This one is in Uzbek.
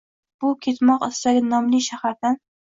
bu Ketmoq istagi nomli shahardan?